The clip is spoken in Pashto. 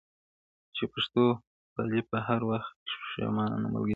چي پښتو پالي په هر وخت کي پښتانه ملګري,